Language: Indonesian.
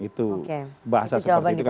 itu bahasa seperti itu kan tidak enak